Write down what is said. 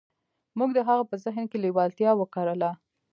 موږ د هغه په ذهن کې لېوالتیا وکرله.